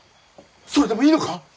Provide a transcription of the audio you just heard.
それでもいいのか？